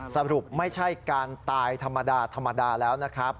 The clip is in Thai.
สรุปไม่ใช่การตายธรรมดาธรรมดาแล้วนะครับ